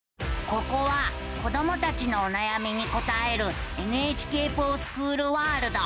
ここは子どもたちのおなやみに答える「ＮＨＫｆｏｒＳｃｈｏｏｌワールド」。